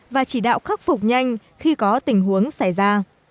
và chỉ đạo khắc phục nhanh khi có tình huống xảy ra